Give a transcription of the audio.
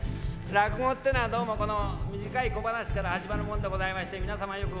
落語ってのはどうもこの短い小話から始まるもんでございまして皆さまよくご存じの。